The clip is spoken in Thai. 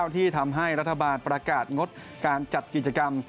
ที่ทำให้รัฐบาลประกาศงดการจัดกิจกรรม